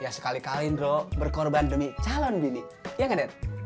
ya sekali kalindro berkorban demi calon bini ya enggak dad